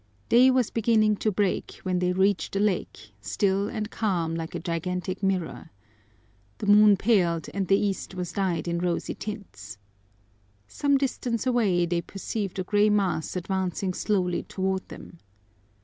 Day was beginning to break when they reached the lake, still and calm like a gigantic mirror. The moon paled and the east was dyed in rosy tints. Some distance away they perceived a gray mass advancing slowly toward them.